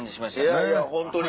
いやいやホントに。